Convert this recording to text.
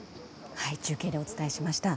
中継でお伝えしました。